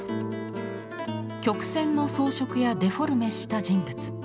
曲線の装飾やデフォルメした人物。